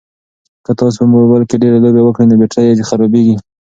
که تاسي په موبایل کې ډېرې لوبې وکړئ نو بېټرۍ یې خرابیږي.